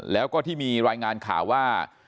แล้วก็ที่มีรายงานข่าวว่า